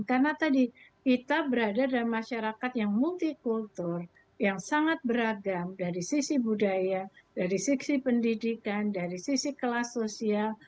karena tadi kita berada dalam masyarakat yang multikultur yang sangat beragam dari sisi budaya dari sisi pendidikan dari sisi kelas sosial